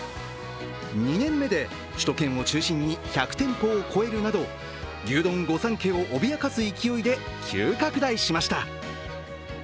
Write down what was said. ２年目で首都圏を中心に１００店舗を超えるなど牛丼御三家を脅かす勢いで急拡大しました。